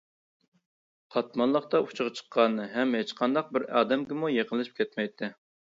قاتماللىقتا ئۇچىغا چىققان ھەم ھېچقانداق بىر ئادەمگىمۇ يېقىنلىشىپ كەتمەيتتى.